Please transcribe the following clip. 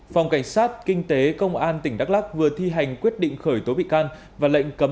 phòng cảnh sát kinh tế công an tỉnh đắk lắc vừa thi hành quyết định khởi tố bị can và lệnh cấm